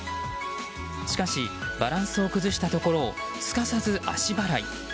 しかしバランスを崩したところをすかさず足払い。